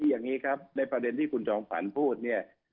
อย่างนี้ครับในประเด็นที่คุณจอมขวัญพูดเนี่ย